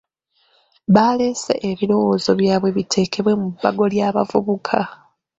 Baleese ebirowoozo byabwe biteekebwe mu bbago ly’abavubuka.